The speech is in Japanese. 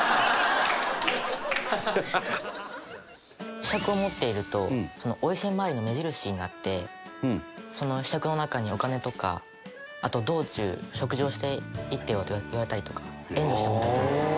柄杓を持っているとお伊勢参りの目印になってその柄杓の中にお金とかあと道中食事をしていってよと言われたりとか援助してもらえたんですね。